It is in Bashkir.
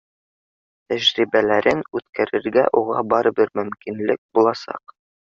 Тәжрибәләрен үткәрергә уға барыбер мөмкинлек буласаҡ